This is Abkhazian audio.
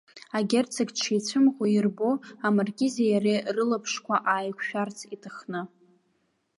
Агерцог дшицәымӷу ирбо, амаркизи иареи рылаԥшқәа ааиқәшәарц иҭахны.